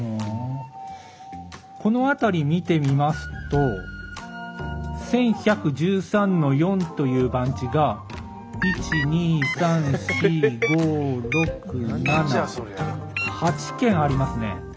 この辺り見てみますと１１１３の４という番地が１２３４５６７８軒ありますね。